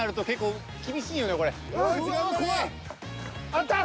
あった。